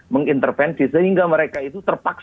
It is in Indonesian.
mengintervensi sehingga mereka itu terpaksa